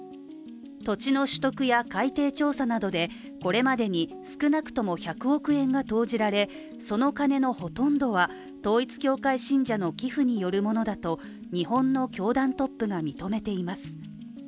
土地の取得や海底調査などでこれまでに少なくとも１００億円が投じられその金のほとんどは統一教会信者の寄付によるものだと日本の教団トップが認めています。